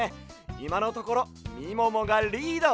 いまのところみももがリード！